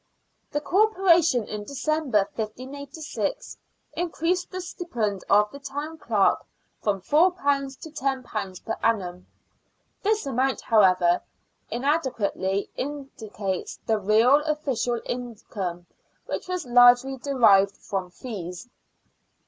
The Corporation, in December, 1586, increased the stipend of the Town Clerk from £4 to £10 per annum. This amount, however, inadequately indicates the real official income, which was largely derived from fees.